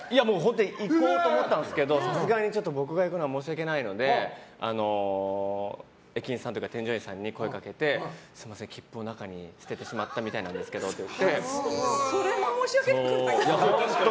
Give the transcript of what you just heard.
いこうと思ったんですけどさすがに僕が行くのは申し訳ないので駅員さんとか添乗員さんに声をかけてすみません、切符を中に捨ててしまったそれも申し訳ないけど。